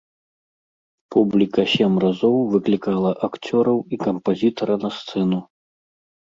Публіка сем разоў выклікала акцёраў і кампазітара на сцэну.